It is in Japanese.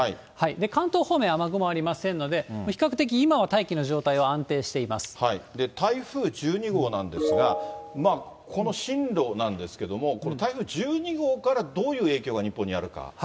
関東方面、雨雲ありませんので、比較的今は大気の状態は安定して台風１２号なんですが、まあ、この進路なんですけども、これ台風１２号からどういう影響が日本にある感じですか。